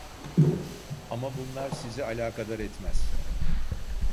Ama bunlar sizi alakadar etmez…